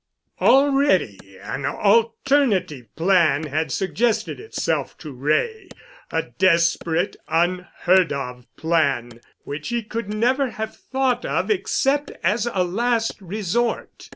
Already an alternative plan had suggested itself to Wray, a desperate, unheard of plan which he could never have thought of except as a last resort.